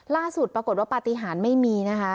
ล่าสุดปรากฏว่าปฏิหารไม่มีนะคะ